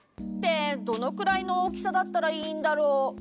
ってどのくらいの大きさだったらいいんだろう？